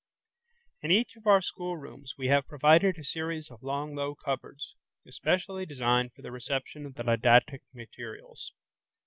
In each of our schoolrooms we have provided a series of long low cupboards, especially designed for the reception of the didactic materials.